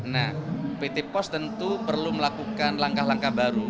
nah pt pos tentu perlu melakukan langkah langkah baru